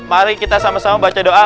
mari kita sama sama baca doa